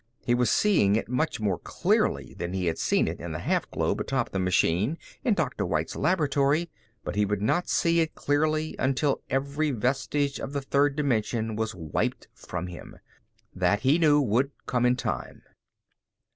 He was seeing it much more clearly than he had seen it in the half globe atop the machine in Dr. White's laboratory, but he would not see it clearly until every vestige of the third dimension was wiped from him. That, he knew, would come in time.